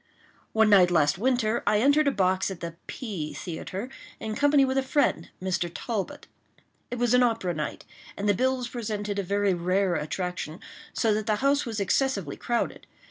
One night last winter I entered a box at the P—— Theatre, in company with a friend, Mr. Talbot. It was an opera night, and the bills presented a very rare attraction, so that the house was excessively crowded.